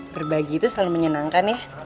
berbagi itu selalu menyenangkan ya